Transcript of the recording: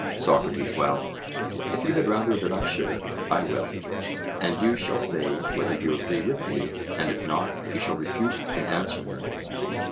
SOCRATES: Well, if you had rather that I should, I will; and you shall say whether you agree with me, and if not, you shall refute and answer me.